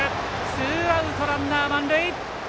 ツーアウトランナー、満塁。